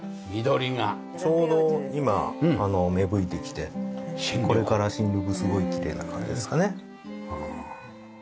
ちょうど今芽吹いてきてこれから新緑すごいきれいな感じですかね。